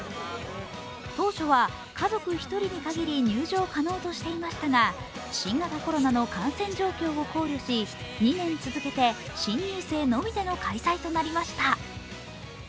当初は家族１人に限り入場可能としていましたが、新型コロナの感染状況を考慮し２年続けて新入生のみでの開催となりました。